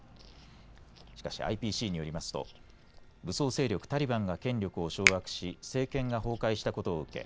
しかし、ＩＰＣによりますと武装勢力タリバンが権力を掌握し政権が崩壊したことを受け